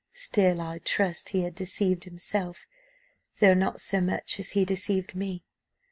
Still I trust he had deceived himself, though not so much as he deceived me.